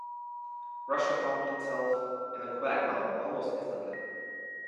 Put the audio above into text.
Russia found itself in a quagmire almost instantly.